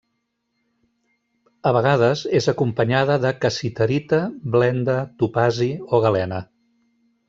A vegades és acompanyada de cassiterita, blenda, topazi o galena.